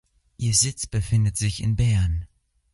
Ihr Sitz befindet sich in Bern.